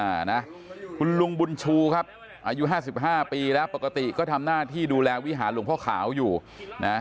อ่านะคุณลุงบุญชูครับอายุห้าสิบห้าปีแล้วปกติก็ทำหน้าที่ดูแลวิหารหลวงพ่อขาวอยู่นะ